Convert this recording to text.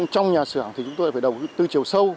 trong nhà xưởng thì chúng tôi phải đầu tư chiều sâu